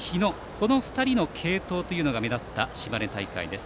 この２人の継投が目立った島根大会です。